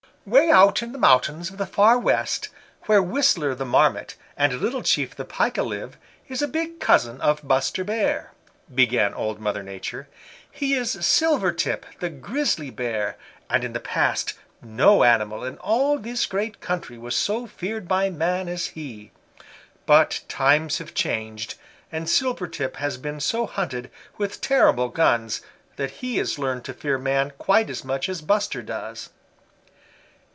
"Way out in the mountains of the Far West, where Whistler the Marmot and Little Chief the Pika live, is a big cousin of Buster Bear," began Old Mother Nature. "He is Silvertip the Grizzly Bear, and in the past no animal in all this great country was so feared by man, as he. But times have changed, and Silvertip has been so hunted with terrible guns that he has learned to fear man quite as much as Buster does.